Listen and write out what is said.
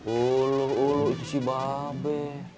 ulu ulu itu si babe